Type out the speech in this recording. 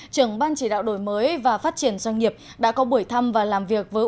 trưởng ban chỉ đạo đổi mới và phát triển doanh nghiệp đã có buổi thăm và làm việc với